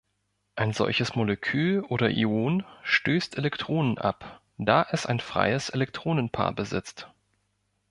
Ein solches Molekül oder Ion stößt Elektronen ab, da es ein freies Elektronenpaar besitzt.